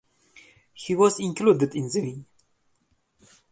He was included in the wing.